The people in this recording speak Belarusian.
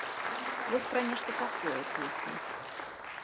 Вось пра нешта такое песня.